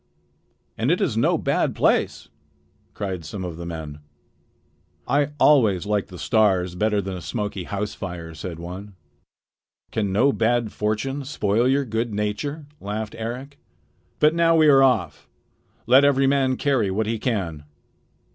"And it is no bad place," cried some of the men. "I always liked the stars better than a smoky house fire," said one. "Can no bad fortune spoil your good nature?" laughed Eric. "But now we are off. Let every man carry what he can."